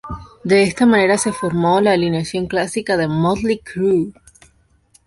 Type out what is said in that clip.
De esta manera se formó la alineación clásica de Mötley Crüe.